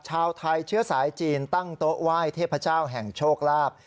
ชาวไทยเชื้อสายจีนตั้งโต๊ะไหว้เทพเจ้าแห่งโชคลาภ